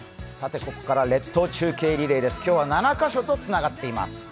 ここから列島中継リレーです、今日は７カ所とつながっております